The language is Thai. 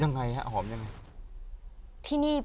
ยังไงฮะหอมยังไง